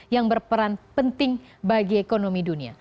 yang berperan penting bagi ekonomi dunia